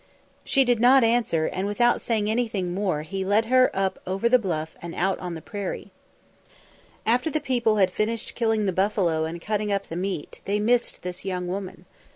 She did not answer, and without saying anything more he led her up over the bluff and out on the prairie. After the people had finished killing the buffalo and cutting up the meat, they missed this young woman.